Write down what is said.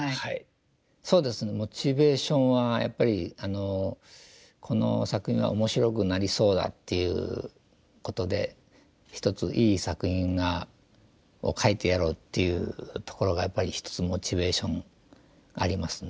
そうですねモチベーションはやっぱりこの作品は面白くなりそうだっていうことでひとついい作品を描いてやろうっていうところがやっぱり一つモチベーションありますね。